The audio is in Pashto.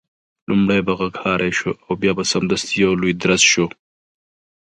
لومړی به غږهارۍ شو او بیا به سمدستي یو لوی درز شو.